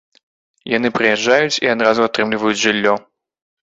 Яны прыязджаюць і адразу атрымліваюць жыллё.